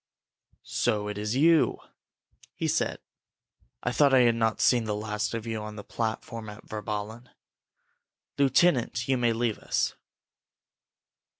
"So it is you?" he said. "I thought I had not seen the last of you on the platform at Virballen! Lieutenant, you may leave us."